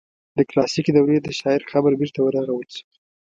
د کلاسیکي دورې د شاعر قبر بیرته ورغول شو.